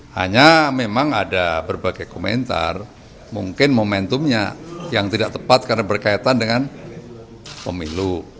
hanya memang ada berbagai komentar mungkin momentumnya yang tidak tepat karena berkaitan dengan pemilu